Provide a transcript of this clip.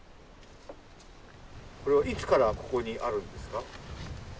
これはいつからここにあるんですか？